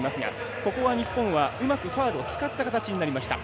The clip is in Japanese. ここは日本はうまくファウルを使った形になりました。